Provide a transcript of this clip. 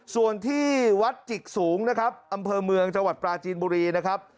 ส่วนที่วัดจิกสูงนะครับอำเภอเมืองจังหวัดปลาจีนบุรีนะครับ